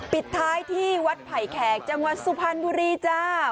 ปิดท้ายที่วัดไผ่แขกจังหวัดสุพรรณบุรีจ้า